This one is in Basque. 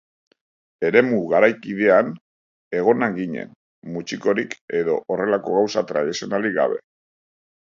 Eremu garaikidean egonak ginen, mutxikorik edo horrelako gauza tradizionalik gabe.